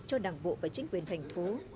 cho đảng bộ và chính phủ